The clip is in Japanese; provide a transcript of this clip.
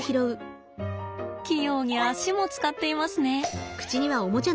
器用に足も使っていますね。